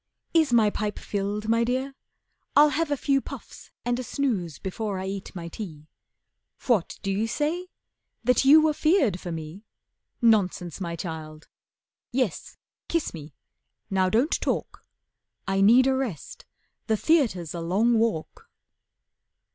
Is my pipe filled, my Dear? I'll have a few Puffs and a snooze before I eat my tea. What do you say? That you were feared for me? Nonsense, my child. Yes, kiss me, now don't talk. I need a rest, the theatre's a long walk."